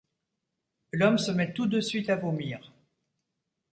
L'homme se met tout de suite à vomir.